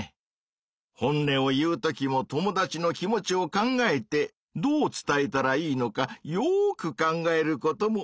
本音を言うときも友達の気持ちを考えてどう伝えたらいいのかよく考えることもたいせつかもね。